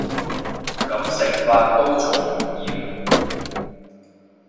噉食法都仲唔厭